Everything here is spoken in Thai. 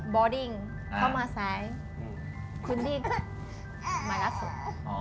บอดดิ้งเขามาซ้ายคุณที่มาประโยชน์